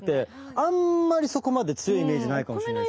あんまりそこまで強いイメージないかもしれないです。